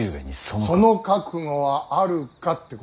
その覚悟はあるかって